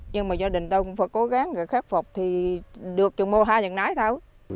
nhưng mà gia đình tôi cũng phải cố gắng khép phục thì được cho mô ha dần nái thôi